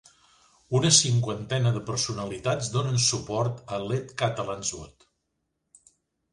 Una cinquantena de personalitats donen suport a ‘Let Catalans Vote’